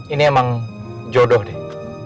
ini emang jodoh deh